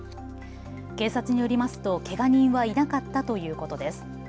警察によりますとけが人はいなかったということです。